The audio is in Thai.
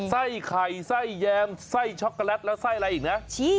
ไส้ไข่ไส้แยมไส้ช็อกโกแลตแล้วไส้อะไรอีกนะ